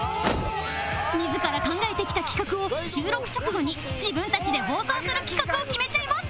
自ら考えてきた企画を収録直後に自分たちで放送する企画を決めちゃいます！